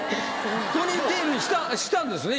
ポニーテールにしたんですね？